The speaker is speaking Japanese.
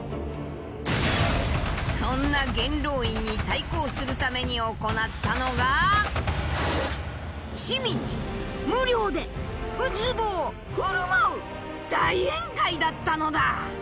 そんな元老院に対抗するために行ったのが市民に無料でウツボをふるまう大宴会だったのだ！